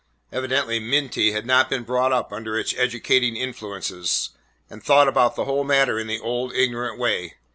Evidently Minty had not been brought under its educating influences, and thought about the whole matter in the old, ignorant way.